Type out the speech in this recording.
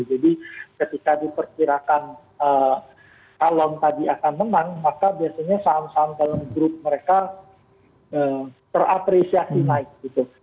jadi ketika diperkirakan kalau tadi akan menang maka biasanya saham saham dalam grup mereka terapresiasi naik gitu